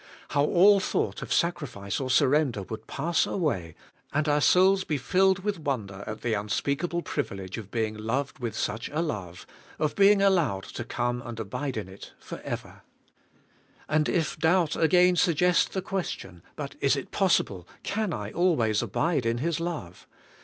How all thought of sacrifice or surrender would pass away, and our souls be filled with ivonder at the unspeakable privilege of being loved with such a 170 ABIDE IN CHRIST: love, of being allowed to come and abide in it for ever. And if doubt again suggest the question : But is it possible, can I always abide in His love?